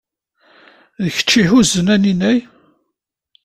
D kečč i ihuzzen aninay?